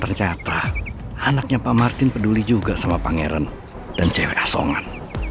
ternyata anaknya pak martin peduli juga sama pangeran dan cewek asongan